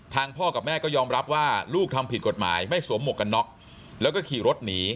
พ่อกับแม่ก็ยอมรับว่าลูกทำผิดกฎหมายไม่สวมหมวกกันน็อกแล้วก็ขี่รถหนี